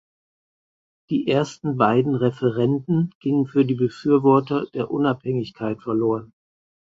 Die ersten beiden Referenden gingen für die Befürworter der Unabhängigkeit verloren.